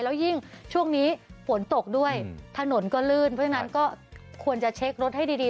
แล้วยิ่งช่วงนี้ฝนตกด้วยถนนก็ลื่นเพราะฉะนั้นก็ควรจะเช็ครถให้ดี